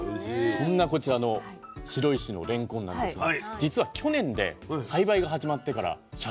そんなこちらの白石のれんこんなんですがじつは去年で栽培が始まってから１００年という記念の年。